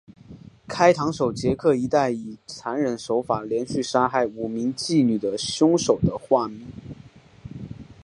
开膛手杰克一带以残忍手法连续杀害五名妓女的凶手的化名。